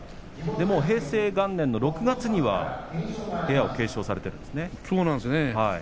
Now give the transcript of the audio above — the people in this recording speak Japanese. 平成元年の６月には部屋を継承されているんですね。